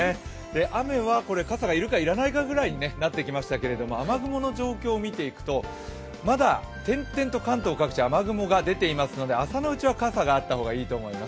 雨は傘が要るか、要らないかぐらいになってきましたけど、雨雲の状況を見ていくとまだ点々と関東上空に雨雲がありますので朝のうちは傘があった方がいいと思います。